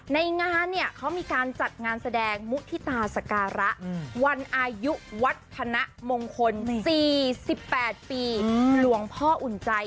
ในงานเนี่ยเขามีการจัดงานแสดงมุฒิตาสการะวันอายุวัฒนมงคล๔๘ปีหลวงพ่ออุ่นใจ